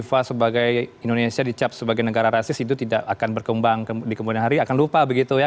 fifa sebagai indonesia dicap sebagai negara rasis itu tidak akan berkembang di kemudian hari akan lupa begitu ya